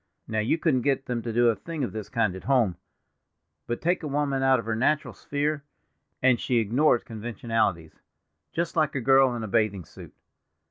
Now, you couldn't get them to do a thing of this kind at home; but take a woman out of her natural sphere, and she ignores conventionalities, just like a girl in a bathing suit.